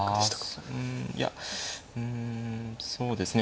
あうんいやうんそうですね